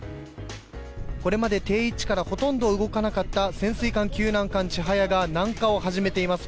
これまで定位置からほとんど動かなかった潜水艦救難艦「ちはや」が南下を始めています。